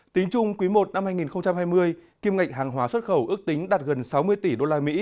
tính chung quý i năm hai nghìn hai mươi kim ngạch hàng hóa xuất khẩu ước tính đạt gần sáu mươi tỷ usd